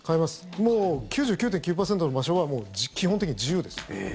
もう９９．９％の場所は基本的に自由です。